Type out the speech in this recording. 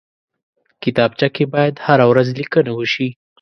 کتابچه کې باید هره ورځ لیکنه وشي